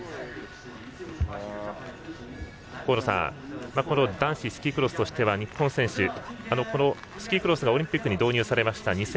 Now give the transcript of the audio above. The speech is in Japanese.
河野さん男子スキークロスとしては日本選手、スキークロスがオリンピックに導入されました